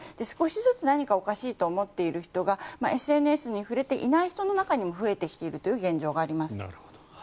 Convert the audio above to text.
少しずつ何かおかしいと思っている人がＳＮＳに触れていない人の中にも増えてきているという現状があります。